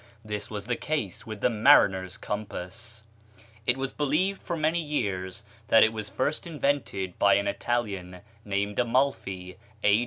This was the case with the mariner's compass. It was believed for many years that it was first invented by an Italian named Amalfi, A.